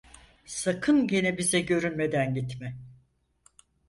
Sakın gene bize görünmeden gitme…